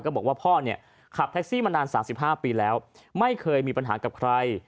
บอกว่าพ่อเนี่ยขับแท็กซี่มานาน๓๕ปีแล้วไม่เคยมีปัญหากับใคร